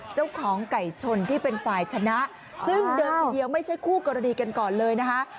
เจ้าของไก่ชนที่เป็นฝ่ายชนะซึ่งเดิมทีเดียวไม่ใช่คู่กรณีกันก่อนเลยนะคะ